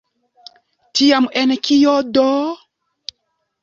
Tiam en kio do?